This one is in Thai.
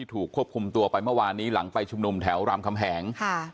ถูกควบคุมตัวไปเมื่อวานนี้หลังไปชุมนุมแถวรามคำแหง